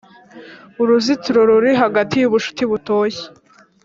uruzitiro ruri hagati yubucuti butoshye.